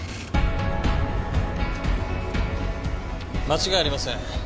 間違いありません。